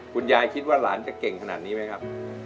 คิดว่าหลานจะเก่งขนาดนี้ไหมครับ